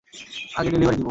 আগে ডেলিভারি দিব।